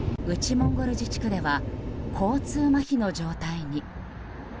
モンゴル自治区では交通まひの状態に。